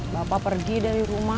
bapak pergi dari rumah